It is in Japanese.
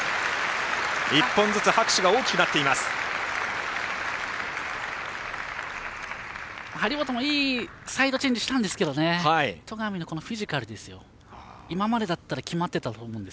１本ずつ拍手が大きくなっていきます。